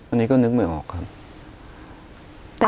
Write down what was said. อันนี้ก็นึกไม่ออกครับ